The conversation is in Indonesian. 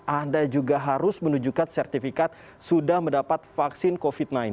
anda juga harus menunjukkan sertifikat sudah mendapat vaksin covid sembilan belas